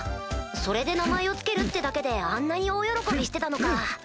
それで名前を付けるってだけであんなに大喜びしてたのか。